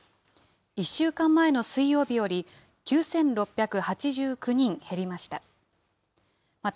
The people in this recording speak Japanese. １週間前の水曜日より９６８９人減りました。